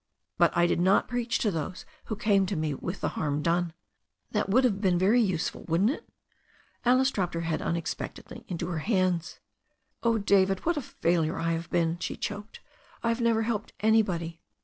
But I did not preach to those who came to me with the harm done. That would have been very useful, wouldn't it?" Alice dropped her head unexpectedly into her hands. 3S6 THE STORY OF A NEW ZEALAND RIVER "Oh, David, what a failure I have been," she choked. "I have never helped anybody."